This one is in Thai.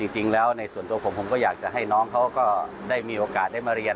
จริงแล้วในส่วนตัวผมผมก็อยากจะให้น้องเขาก็ได้มีโอกาสได้มาเรียน